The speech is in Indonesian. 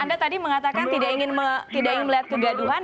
anda tadi mengatakan tidak ingin melihat kegaduhan